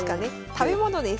食べ物です。